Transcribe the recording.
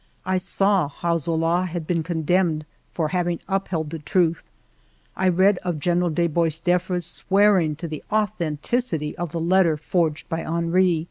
I saw how Zola had been condemned for having upheld the truth, I read of General de Boisdeffre's swearing to the authenticity of the letter forged by Henry.